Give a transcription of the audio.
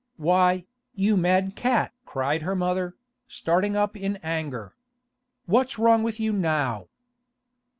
'Why, you mad cat!' cried her mother, starting up in anger. 'What's wrong with you now?